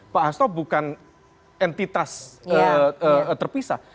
pak hasto bukan entitas terpisah